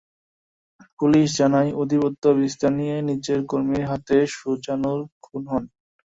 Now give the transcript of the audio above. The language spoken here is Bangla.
পুলিশ জানায়, আধিপত্য বিস্তার নিয়ে নিজের কর্মীর হাতে সুজানুর খুন হন।